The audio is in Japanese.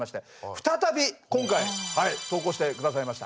再び今回投稿して下さいました。